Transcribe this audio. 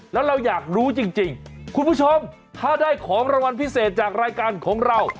แล้วเราอยากรู้จริงคุณผู้ชมถ้าได้ของรางวัลพิเศษจากรายการของเรา